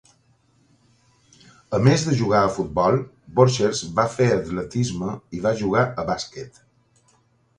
A més de jugar a futbol, Borchers va fer atletisme i va jugar a bàsquet.